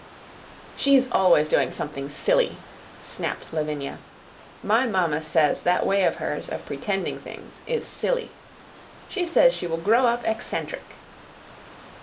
"She's always doing something silly," snapped Lavinia. "My mamma says that way of hers of pretending things is silly. She says she will grow up eccentric."